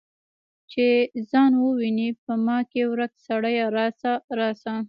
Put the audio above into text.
چې ځان وویني په ما کې ورک سړیه راشه، راشه